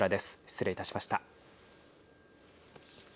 失礼いたしました。